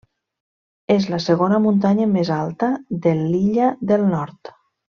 És la segona muntanya més alta de l'illa del Nord.